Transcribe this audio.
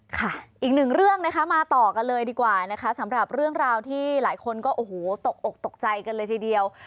อีกหนึ่งเรื่องนะคะมาต่อกันเลยดีกว่านะคะสำหรับเรื่องราวที่หลายคนก็โอ้โหตกอกตกใจกันเลยทีเดียว